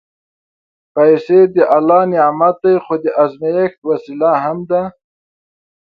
پېسې د الله نعمت دی، خو د ازمېښت وسیله هم ده.